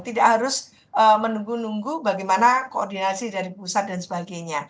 tidak harus menunggu nunggu bagaimana koordinasi dari pusat dan sebagainya